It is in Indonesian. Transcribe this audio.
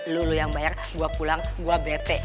lu lu yang bayar gua pulang gua bete